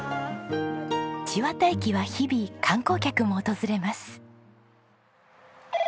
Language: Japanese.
千綿駅は日々観光客も訪れます。